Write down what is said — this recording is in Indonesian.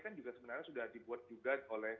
kan juga sebenarnya sudah dibuat juga oleh